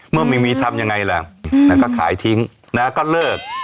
เมื่อไม่มีทำอย่างไรล่ะแล้วก็ขายทิ้งแล้วก็เลิก